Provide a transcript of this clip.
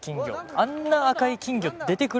あんな赤い金魚出てくる？